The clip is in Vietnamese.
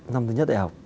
năm thứ nhất đại học